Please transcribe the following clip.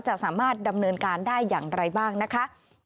จะสามารถดำเนินการได้อย่างไรบ้างนะคะ